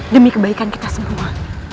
demi kebaikan kita semua